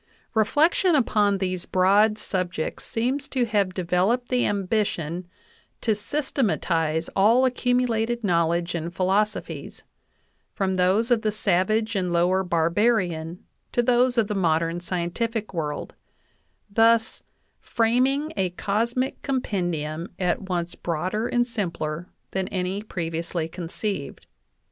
Reflection upon these broad subjects seems to have devel oped the ambition to systematize all accumulated knowledge and philosophies, from those of the savage and lower barbarian to those of the modern scientific world, thus "framing a cosmic compendium at once broader and simpler than any previously conceived."